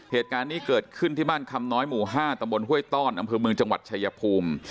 เหตุการณ์นี้เกิดขึ้นที่บ้านคำน้อยหมู่๕ตำบลห้วยต้อนอำเภอเมืองจังหวัดชายภูมิ